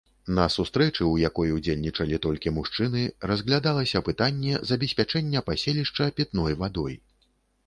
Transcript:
На сустрэчы, у якой удзельнічалі толькі мужчыны, разглядалася пытанне забеспячэння паселішча пітной вадой.